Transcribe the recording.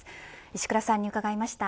石倉さんに伺いました。